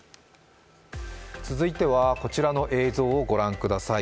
続いてはこちらの映像をご覧ください。